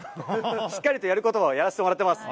しっかりとやることはやらせてもらってます。